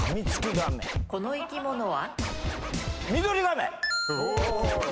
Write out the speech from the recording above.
この生き物は？